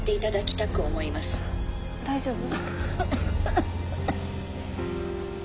大丈夫？